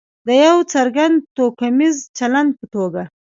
د یو څرګند توکمیز چلند په توګه.